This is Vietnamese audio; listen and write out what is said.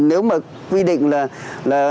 nếu mà quy định là